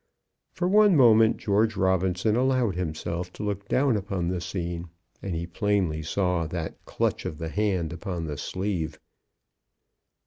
For one moment George Robinson allowed himself to look down upon the scene, and he plainly saw that clutch of the hand upon the sleeve.